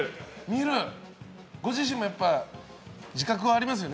ご自身も自覚はありますよね。